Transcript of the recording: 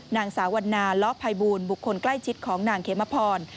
นางสาววันนาล้อภัยบูลบุคคลใกล้ชิดของนางเขมพร